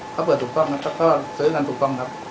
เขาเปิดถูกต้องแล้วเขาซื้อกันถูกต้องครับ